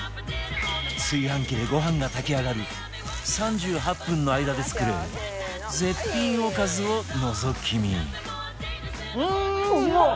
炊飯器でご飯が炊き上がる３８分の間で作る絶品おかずをのぞき見